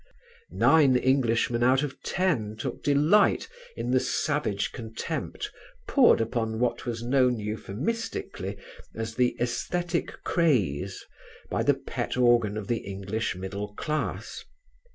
Nine Englishmen out of ten took delight in the savage contempt poured upon what was known euphemistically as "the æsthetic craze" by the pet organ of the English middle class.